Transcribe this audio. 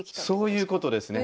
そういうことですね。